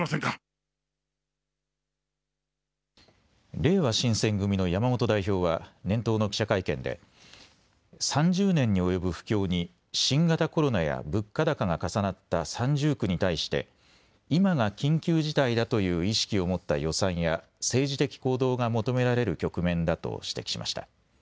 れいわ新選組の山本代表は年頭の記者会見で３０年に及ぶ不況に新型コロナや物価高が重なった三重苦に対して今が緊急事態だという意識を持った予算や政治的行動が求められる局面だと指摘しました。